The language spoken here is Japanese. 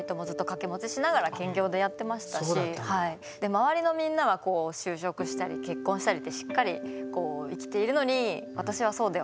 周りのみんなは就職したり結婚したりってしっかり生きているのに私はそうではないとか。